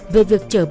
về việc chở